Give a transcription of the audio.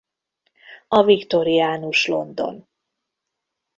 A viktoriánus London.